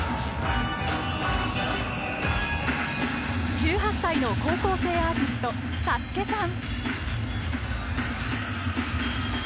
１８歳の高校生アーティストＳＡＳＵＫＥさん。